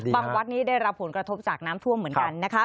วัดนี้ได้รับผลกระทบจากน้ำท่วมเหมือนกันนะคะ